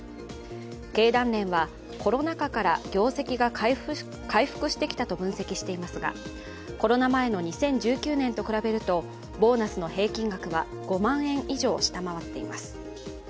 経団連は、コロナ禍から業績が回復してきたと分析していますがコロナ前の２０１９年と比べるとボーナスの平均額は５万円以上、下回っています。